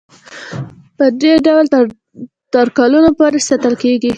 پدې ډول تر کلونو پورې ساتل کیږي.